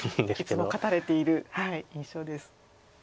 いつも勝たれている印象です。